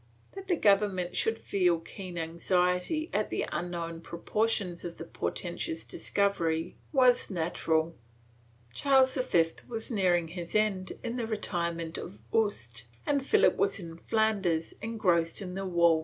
^ That the government should feel keen anxiety at the unknown proportions of the portentous discovery was natural. Charles V was nearing his end in the retirement of Yuste, and Philip was * Illescas, Historia pontifical.